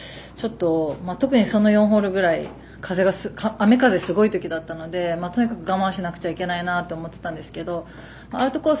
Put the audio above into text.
特にその４ホールぐらいは雨風がすごいときだったんでとにかく我慢しなくちゃいけないなと思っていたんですけどアウトコース